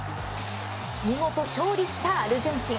見事勝利したアルゼンチン。